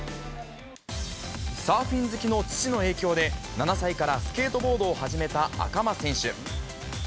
サーフィン好きの父の影響で、７歳からスケートボードを始めた赤間選手。